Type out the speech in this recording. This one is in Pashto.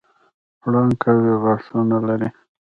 پړانګ قوي غاښونه لري.